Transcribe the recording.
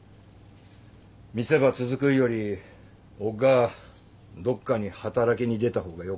店ば続くっよりおぃがどっかに働きに出た方がよ